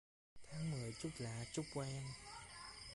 Tháng mười chút lạ, chút quen